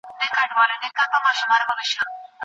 د پیسو انتقال لوی خطر دی.